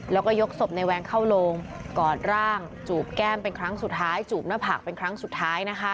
แล้วก็ยกศพในแวงเข้าโลงกอดร่างจูบแก้มเป็นครั้งสุดท้ายจูบหน้าผากเป็นครั้งสุดท้ายนะคะ